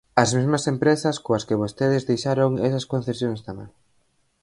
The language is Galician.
As mesmas empresas coas que vostedes deixaron esas concesións tamén.